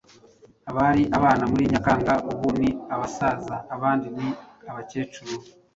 Abari abana muri Nyakanga ubu ni abasaza abandi ni abakecuru.